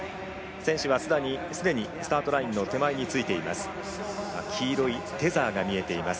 選手はスタートラインの手前についています。